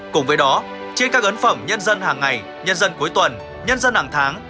cùng với đó trên các ấn phẩm nhân dân hàng ngày nhân dân cuối tuần nhân dân hàng tháng